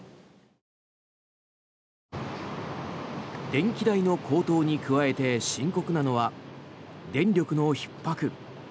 電気代の高騰に加えて深刻なのは電力のひっ迫。